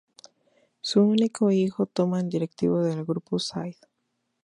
Su único hijo toma el directivo del Grupo Said.